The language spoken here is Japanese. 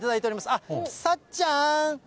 あっ、さっちゃん。